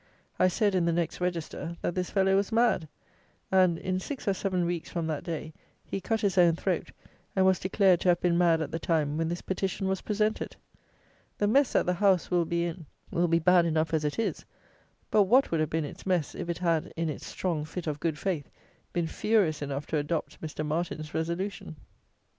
I said, in the next Register, that this fellow was mad; and, in six or seven weeks from that day, he cut his own throat, and was declared to have been mad at the time when this petition was presented! The mess that "the House," will be in will be bad enough as it is; but what would have been its mess, if it had, in its strong fit of "good faith," been furious enough to adopt Mr. Martin's "resolution"!